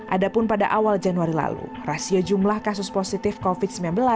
adapun pada awal januari lalu rasio jumlah kasus positif covid sembilan belas